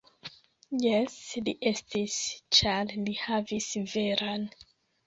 Jes, li estis ĉar li havis veran.